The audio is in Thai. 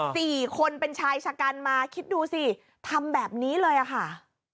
สี่คนเป็นชายชะกันมาคิดดูสิทำแบบนี้เลยอ่ะค่ะ